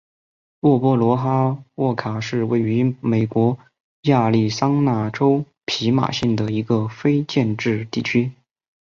沃波罗哈沃卡是位于美国亚利桑那州皮马县的一个非建制地区。